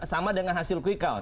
sama dengan hasil quick count